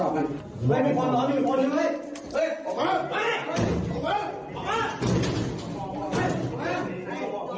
โอเคโอเค